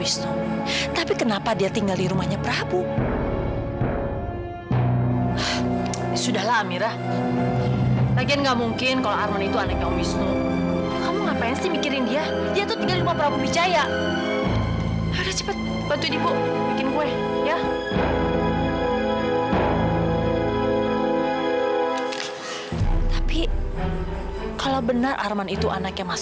sampai jumpa di video selanjutnya